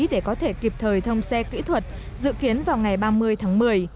để có thể kịp thời thông xe kỹ thuật dự kiến vào ngày ba mươi tháng một mươi